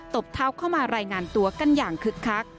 บเท้าเข้ามารายงานตัวกันอย่างคึกคัก